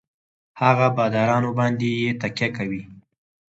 هـغـه بـادارنـو بـانـدې يـې تکيـه کـوي.